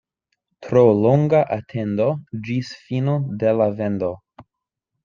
Tro longa atendo ĝis fino de la vendo.